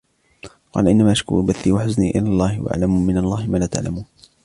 قَالَ إِنَّمَا أَشْكُو بَثِّي وَحُزْنِي إِلَى اللَّهِ وَأَعْلَمُ مِنَ اللَّهِ مَا لَا تَعْلَمُونَ